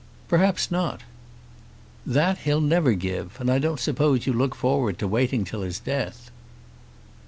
"Perhaps not." "That he'll never give, and I don't suppose you look forward to waiting till his death."